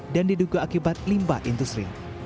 dan diduga akibat limba intus ring